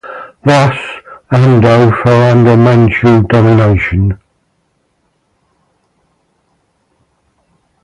Thus, Amdo fell under Manchu domination.